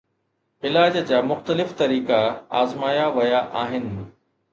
علاج جا مختلف طريقا آزمايا ويا آهن